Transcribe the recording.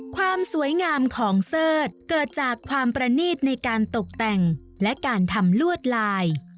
ความสวยงามของเสิร์ธเกิดจากความประนีตในการตกแต่งและการทำลวดลาย